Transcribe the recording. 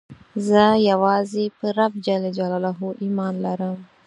زه یوازي په رب ﷻ ایمان لرم.